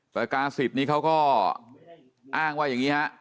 ประกาศิษย์นี้เขาก็อ้างว่าอย่างนี้ฮะ